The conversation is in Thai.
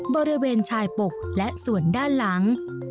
บริเวณชายปกและส่วนด้านหลัง